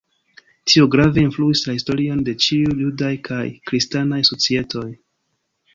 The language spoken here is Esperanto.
Tio grave influis la historion de ĉiuj judaj kaj kristanaj societoj.